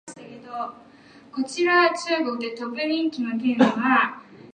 吾輩は教師の家に住んでいるだけ、こんな事に関すると両君よりもむしろ楽天である